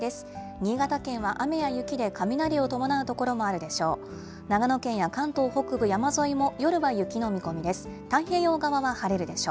新潟県は雨や雪で雷を伴う所もあるでしょう。